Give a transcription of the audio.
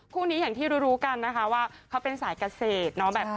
คู่นี้อย่างที่รู้กันนะคะว่าเขาเป็นสายเกษตร